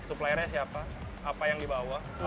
suppliernya siapa apa yang dibawa